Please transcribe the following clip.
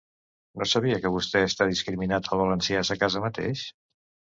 No sabia que vostè està discriminat el valencià a sa casa mateix?